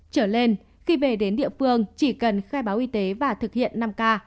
trở lên khi về đến địa phương chỉ cần khai báo y tế và thực hiện năm k